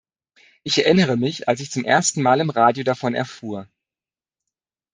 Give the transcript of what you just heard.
Ich erinnere mich, als ich zum ersten Mal im Radio davon erfuhr.